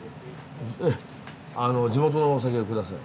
地元のお酒を下さい。